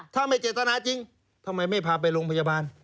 ถ้าไม่เจตนาจริงทำไมไม่พาไปโรงพยาบาล